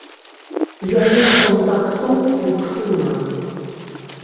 Я нешта ў таксоўцы чула.